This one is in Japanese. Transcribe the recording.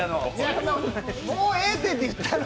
もうええって言ったの。